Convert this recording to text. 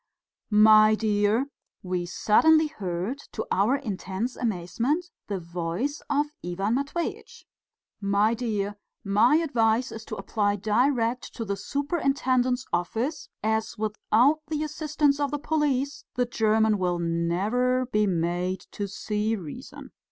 "My dear" we suddenly heard, to our intense amazement, the voice of Ivan Matveitch "my dear, my advice is to apply direct to the superintendent's office, as without the assistance of the police the German will never be made to see reason."